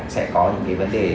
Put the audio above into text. sẽ có những cái vấn đề